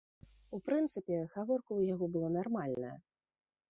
У прынцыпе, гаворка ў яго была нармальная.